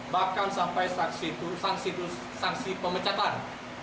bahkan sampai sanksi pemecatan